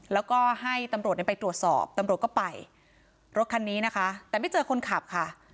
แล้วก็ให้ตำรวจไปตรวจสอบตำรวจก็ไปรถคันนี้นะคะแต่ไม่เจอคนขับค่ะ